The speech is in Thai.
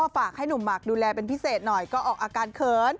ฝากให้หนุ่มหมากดูแลเป็นพิเศษหน่อยก็ออกอาการเขิน